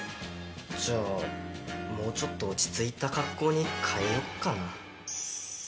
じゃあもうちょっと落ち着いた格好に変えよっかな。